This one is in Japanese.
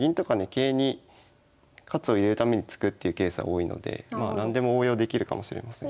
桂に活を入れるために突くっていうケースは多いので何でも応用できるかもしれません。